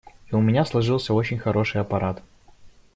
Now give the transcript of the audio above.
И у меня сложился очень хороший аппарат.